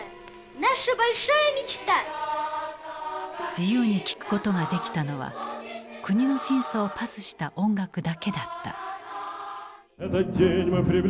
自由に聴くことができたのは国の審査をパスした音楽だけだった。